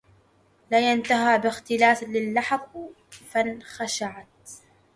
لاينتها باختلاس اللحظ فانخشعت